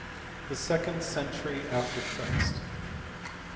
The second century after Christ.